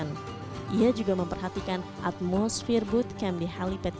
baik dari segi keamanan dan kenyamanan